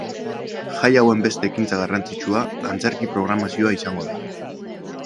Jai hauen beste ekintza garrantzitsua antzerki programazioa izango da.